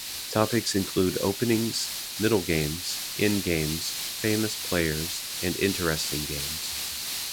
Topics include openings, middlegames, endgames, famous players, and interesting games.